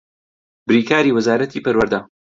بریکاری وەزارەتی پەروەردە